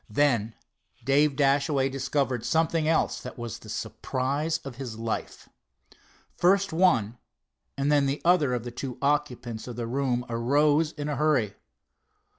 Then Dave Dashaway discovered something else, that was the surprise of his life. First one, and then the other of the two occupants of the room arose in a hurry.